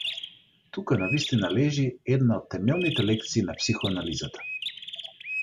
Тука навистина лежи една од темелните лекции на психоанализата.